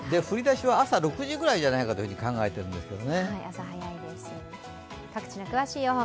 降り出しは朝６時ぐらいじゃないかと考えています。